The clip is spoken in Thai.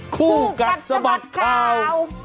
ครูกัดสมัครข่าว